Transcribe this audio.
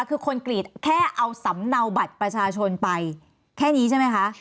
คือคนกรีดแค่เอาสำเนาบัตรประชาชนไปแค่นี้ใช่ไหมคะ